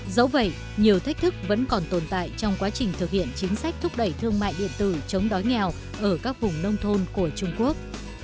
dẫu vậy nhiều thách thức vẫn còn tồn tại trong quá trình thực hiện chính sách thúc đẩy thương mại điện tử chống đói nghèo ở các vùng nông thôn của trung quốc